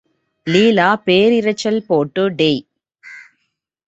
லீலா பேரிரைச்சல் போட்டு டேய்!